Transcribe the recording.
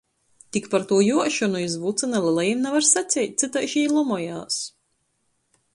Tik par tū juošonu iz vucyna lelajim navar saceit, cytaiž jī lomojās.